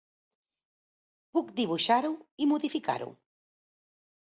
Puc dibuixar-ho i modificar-ho.